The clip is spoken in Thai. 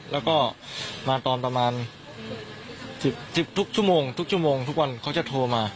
แล้วก็มาตอนประมาณ๑๐ทุกชั่วโมงทุกชั่วโมงทุกวันเขาจะโทรมา